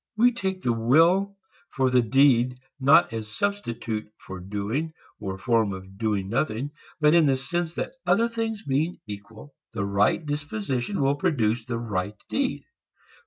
We take the will for the deed not as a substitute for doing, or a form of doing nothing, but in the sense that, other things being equal, the right disposition will produce the right deed.